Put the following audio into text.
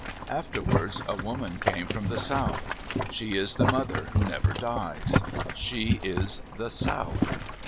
Afterwards a woman came from the south. She is the Mother who never dies. She is the South.